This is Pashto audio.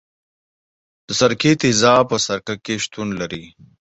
د سرکې تیزاب په سرکه کې شتون لري.